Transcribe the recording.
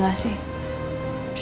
iya masih badainya